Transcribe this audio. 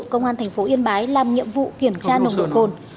công an tp yên bái làm nhiệm vụ kiểm tra nồng độ cồn